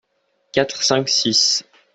Quatre, Cinq, Six.